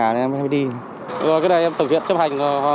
cái này em thực hiện chấp hành